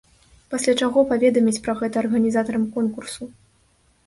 Пасля чаго паведаміць пра гэта арганізатарам конкурсу.